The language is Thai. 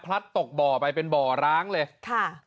พลัดตกบ่อไปเป็นบ่อร้างเลย